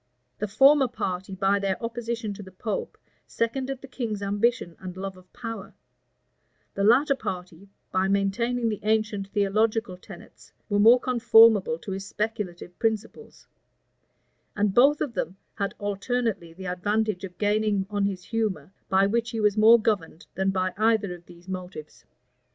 The former party, by their opposition to the pope, seconded the king's ambition and love of power: the latter party, by maintaining the ancient theological tenets, were more conformable to his speculative principles: and both of them had alternately the advantage of gaining on his humor, by which he was more governed than by either of these motives.